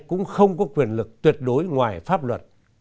cũng không có quyền lực tuyệt đối ngoài pháp luật